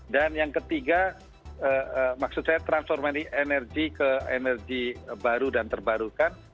dan yang ketiga maksud saya transformasi energi ke energi baru dan terbarukan